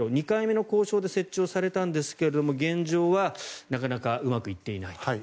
２回目の交渉で設置されたんですが現状はなかなかうまくいっていないと。